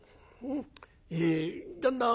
え旦那